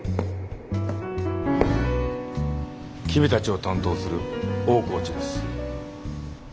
君たちを担当する大河内です。